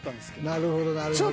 なるほどなるほど。